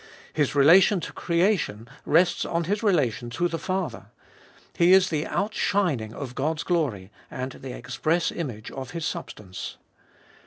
His relation to creation rests on His relation to the Father. He is the out shining of God's glory, and the express image of His substance.